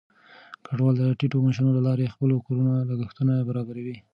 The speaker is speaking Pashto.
کډوال د ټیټو معاشونو له لارې د خپلو کورونو لګښتونه برابروي.